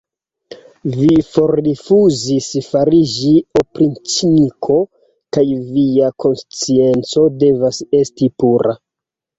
Vi forrifuzis fariĝi opriĉniko, kaj via konscienco devas esti pura!